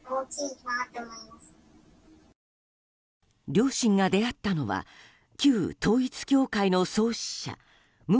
両親が出会ったのは旧統一教会の創始者文